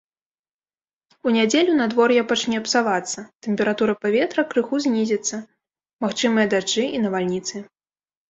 У нядзелю надвор'е пачне псавацца, тэмпература паветра крыху знізіцца, магчымыя дажджы і навальніцы.